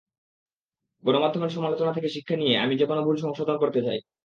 গণমাধ্যমের সমালোচনা থেকে শিক্ষা নিয়ে আমি যেকোনো ভুল সংশোধন করতে চাই।